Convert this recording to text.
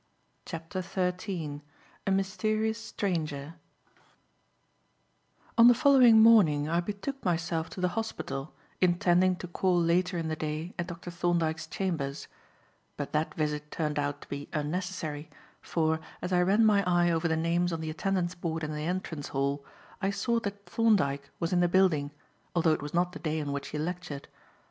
CHAPTER XIII A MYSTERIOUS STRANGER ON the following morning I betook myself to the hospital intending to call later in the day at Dr. Thorndyke's chambers; but that visit turned out to be unnecessary, for, as I ran my eye over the names on the attendance board in the entrance hall, I saw that Thorndyke was in the building, although it was not the day on which he lectured.